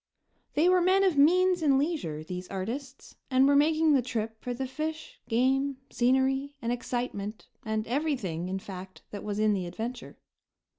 They were men of means and leisure, these artists, and were making the trip for the fish, game, scenery and excitement and everything, in fact, that was in the adventure.